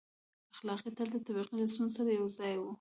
• اخلاق تل د طبقې له ستونزې سره یو ځای وو.